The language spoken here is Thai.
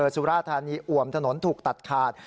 สุราธานีอ่วมถนนถูกตัดขาด